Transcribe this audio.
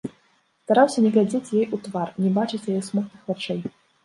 Стараўся не глядзець ёй у твар, не бачыць яе смутных вачэй.